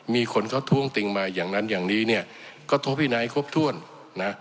มีคนเขาท้วงติงมาอย่างนั้นอย่างนี้เนี่ยก็โทษวินัยครบถ้วนนะ